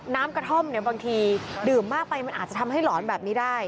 น้ำกระท่อมเนี่ยบางทีดื่มมากไปมันอาจจะทำให้หลอนแบบนี้ได้